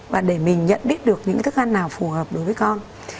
và để mình nhận biết được những thức ăn nào phù hợp đối với con